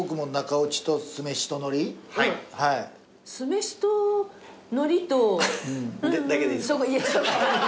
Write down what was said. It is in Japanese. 酢飯と海苔と。だけでいいの？